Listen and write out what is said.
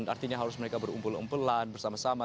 artinya harus mereka berumpul umpelan bersama sama